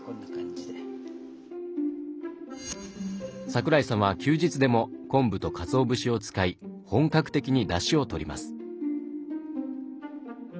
桜井さんは休日でも昆布とかつお節を使い本格的にだしをとります。